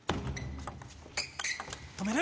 止める。